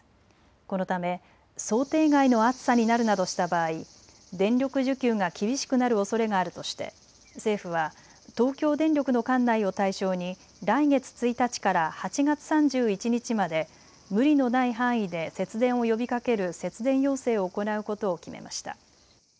このため想定外の暑さになるなどした場合、電力需給が厳しくなるおそれがあるとして政府は東京電力の管内を対象に来月１日から８月３１日まで無理のない範囲で節電を呼びかける節電要請を行うことを決めました。